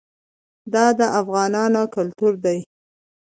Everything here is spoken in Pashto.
دا د افغانانو کلتور دی.